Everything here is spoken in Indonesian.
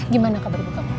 gimana kabar bukamu